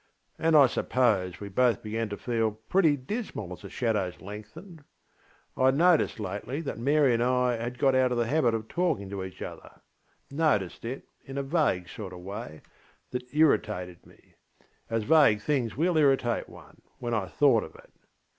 And I suppose we both began to feel pretty dismal as the shadows lengthened. IŌĆÖd noticed lately that Mary and I had got out of the habit of talking to each otherŌĆönoticed it in a vague sort of way that irritated me (as vague things will irritate one) when I thought of it.